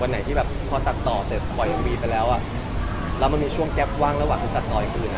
วันไหนที่พอตัดต่อแต่ปล่อยยังมีไปแล้วแล้วมันมีช่วงแก๊ปว่างระหว่างตัดต่ออีกกลุ่น